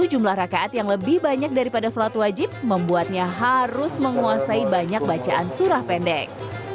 jumlah rakaat yang lebih banyak daripada sholat wajib membuatnya harus menguasai banyak bacaan surah pendek